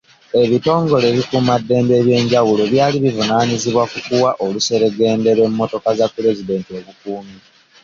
Ebitongole ebikuumaddembe eby'enjawulo byali bivunaanyizibwa ku kuwa oluseregende lw'emmotoka za pulezidenti obukuumi.